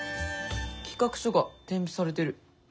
企画書が添付されてる。